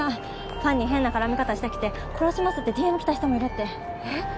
ファンに変な絡み方してきて「殺します」ってＤＭ来た人もいるってえっ？